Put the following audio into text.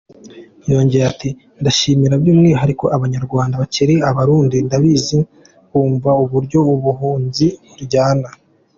Yongeyeho ati “Ndashimira by’umwihariko Abanyarwanda bakiriye Abarundi, ndabizi bumva uburyo ubuhunzi buryana.